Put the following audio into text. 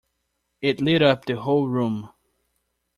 It lit up the whole room.